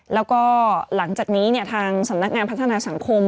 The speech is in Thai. แล้วก็หลังจากนี้ทางสำนักงานพัฒนาสังคม